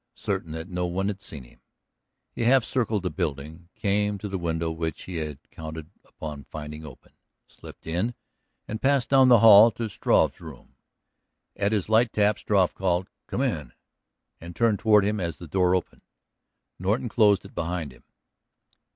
Certain that no one had seen him, he half circled the building, came to the window which he had counted upon finding open, slipped in, and passed down the hall to Struve's room. At his light tap Struve called, "Come in," and turned toward him as the door opened. Norton closed it behind him.